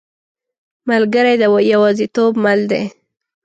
ملګری د یوازیتوب مل دی.